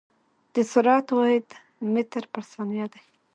د سرعت واحد متر پر ثانیه دی.